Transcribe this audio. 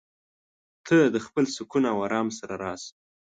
ته د خپل سکون او ارام سره راشه.